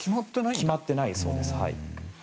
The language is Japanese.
決まっていないそうです。